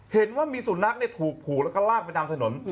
เห็นรถมีสุนัขถูกหูและลากไปตามถนน